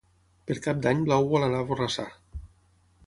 Per Cap d'Any na Blau vol anar a Borrassà.